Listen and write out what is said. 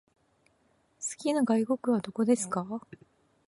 好きな外国はどこですか？